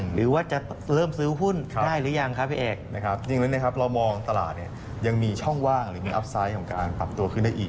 หรือว่าจะเริ่มซื้อหุ้นได้หรือยังครับพี่เอกนะครับดังนั้นนะครับเรามองตลาดเนี่ยยังมีช่องว่างหรือมีอัพไซต์ของการปรับตัวขึ้นได้อีก